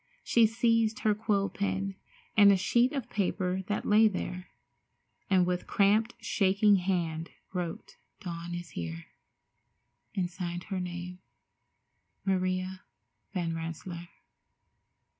She seized her quill pen and a sheet of paper that lay there, and with cramped, shaking hand wrote, "Dawn is here," and signed her name, "Maria Van Rensselaer."